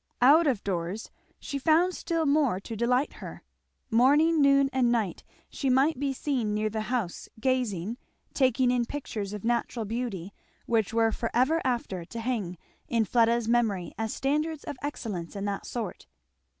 Out of doors she found still more to delight her. Morning, noon, and night she might be seen near the house gazing, taking in pictures of natural beauty which were for ever after to hang in Fleda's memory as standards of excellence in that sort.